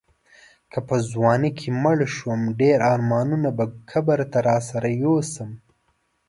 که په ځوانۍ کې مړ شوم ډېر ارمانونه به قبر ته راسره یوسم.